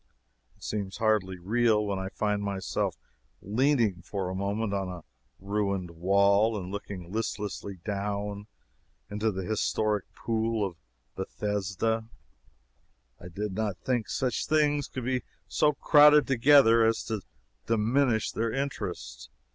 It seems hardly real when I find myself leaning for a moment on a ruined wall and looking listlessly down into the historic pool of Bethesda. I did not think such things could be so crowded together as to diminish their interest.